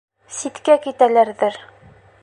— Ситкә китәләрҙер...